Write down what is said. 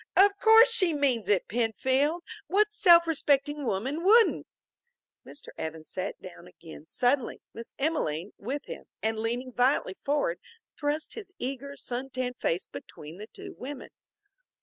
"Of course she means it, Penfield. What self respecting woman wouldn't!" Mr. Evans sat down again suddenly, Miss Emelene with him, and leaning violently forward, thrust his eager, sun tanned face between the two women.